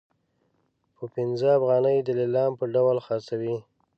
په پنځه افغانۍ د لیلام په ډول خرڅوي.